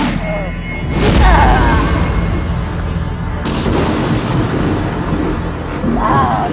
tidak kutip man harmed apa apa